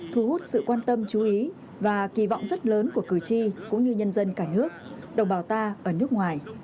thu hút sự quan tâm chú ý và kỳ vọng rất lớn của cử tri cũng như nhân dân cả nước đồng bào ta ở nước ngoài